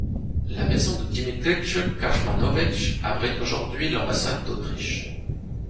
La maison de Dimitrije Krsmanović abrite aujourd'hui l'ambassade d'Autriche.